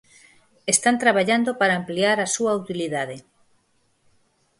Están traballando para ampliar a súa utilidade.